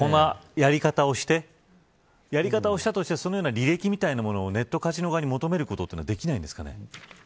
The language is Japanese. このやり方をしたとしてそのような履歴みたいなものをネットカジノ側に求めることはできないのでしょうか。